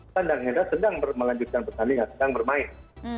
kan dan hendra sedang melanjutkan pertandingan sedang bermain